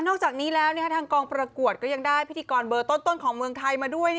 อกจากนี้แล้วทางกองประกวดก็ยังได้พิธีกรเบอร์ต้นของเมืองไทยมาด้วย